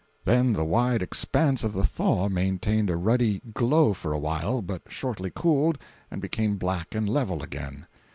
Then the wide expanse of the "thaw" maintained a ruddy glow for a while, but shortly cooled and became black and level again.